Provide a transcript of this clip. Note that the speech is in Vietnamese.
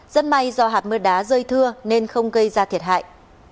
rất may do hạt mưa đá rơi thưa nên không gây ra thiệt hại